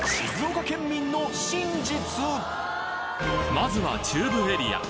まずは中部エリア。